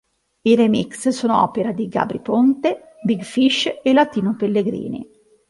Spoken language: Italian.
I remix sono a opera di Gabry Ponte, Big Fish e Latino Pellegrini.